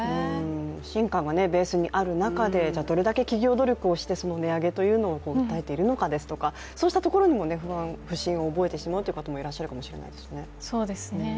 不信感がベースにある中でどれだけ企業努力をしてその値上げに耐えているのかとか、そうしたところにも不審を覚えてしまうという方もいらっしゃるでしょうね。